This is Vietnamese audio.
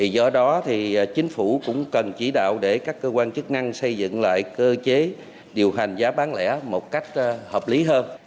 do đó chính phủ cũng cần chỉ đạo để các cơ quan chức năng xây dựng lại cơ chế điều hành giá bán lẻ một cách hợp lý hơn